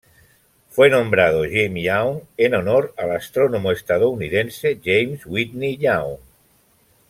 Fue nombrado Jim Young en honor al astrónomo estadounidense James Whitney Young.